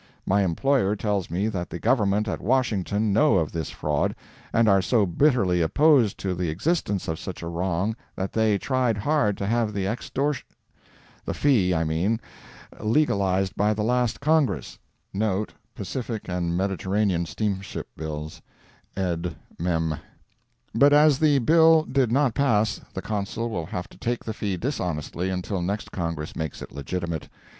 My employer tells me that the Government at Washington know of this fraud, and are so bitterly opposed to the existence of such a wrong that they tried hard to have the extor—the fee, I mean, legalized by the last Congress;* but as the bill did not pass, the Consul will have to take the fee dishonestly until next Congress makes it legitimate.